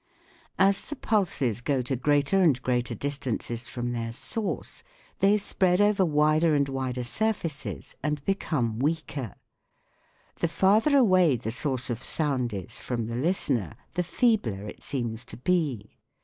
As the pulses go to greater and greater distances from their source they spread over wider and wider surfaces and become weaker. The farther away the source of sound is from the listener the feebler it seems to be.